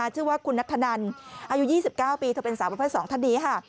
ชื่อว่าคุณนัทธนันอายุ๒๙ปีเธอเป็นสาวประเภท๒ท่านนี้ค่ะ